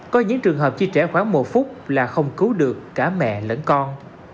có những trường hợp chi trẻ khoảng một phút là không cứu được cả mẹ lẫn con